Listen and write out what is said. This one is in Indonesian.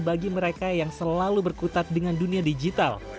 bagi mereka yang selalu berkutat dengan dunia digital